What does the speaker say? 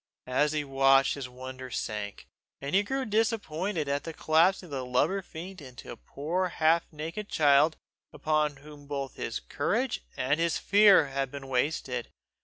As he watched, his wonder sank, and he grew disappointed at the collapsing of the lubber fiend into a poor half naked child upon whom both his courage and his fear had been wasted.